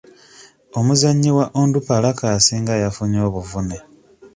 Omuzanyi wa Onduparaka asinga yafunye obuvune.